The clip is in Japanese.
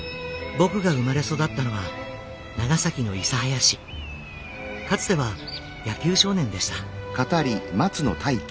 僕が生まれ育ったのはかつては野球少年でした。